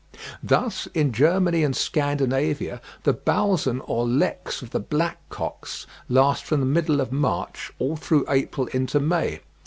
Thus in Germany and Scandinavia the balzen or leks of the black cocks last from the middle of March, all through April into May.